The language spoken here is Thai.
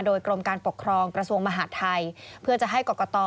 โดยกรมการปกครองกระทรวงมหาดไทยเพื่อจะให้กรกต